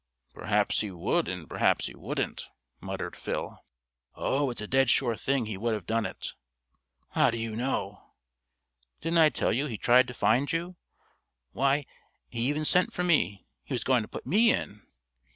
"Perhaps he would, and perhaps he wouldn't," muttered Phil. "Oh, it's a dead sure thing he would have done it." "How do you know?" "Didn't I tell you he tried to find you! Why, he even sent for me; he was going to put me in."